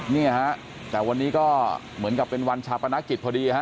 เนี่ยฮะแต่วันนี้ก็เหมือนกับเป็นวันชาปนกิจพอดีฮะ